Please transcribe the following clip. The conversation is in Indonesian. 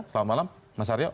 selamat malam mas aryo